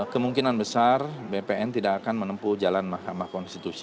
kemungkinan besar bpn tidak akan menempuh jalan mk